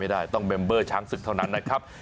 ได้ต้องเมมเบอร์ช้างศึกเท่านั้นนะครับ